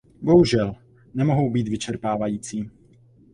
Bohužel nemohu být vyčerpávající.